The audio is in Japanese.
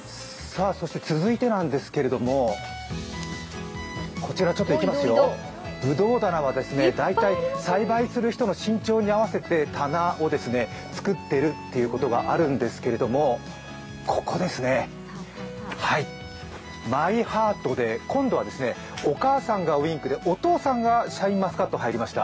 続いてなんですけれども、こちらちょっといきますよ、ぶどう棚は大体、栽培する人の身長に合わせて棚を作っているということがあるんですけれども、ここですね、マイハートで今度は、お母さんがウインクでお父さんがシャインマスカット入りました。